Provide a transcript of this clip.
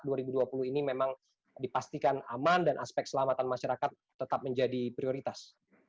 bagi dorong agar pilkada serentak dua ribu dua puluh ini memang dipastikan aman dan aspek selamatan masyarakat tetap menjadi prioritas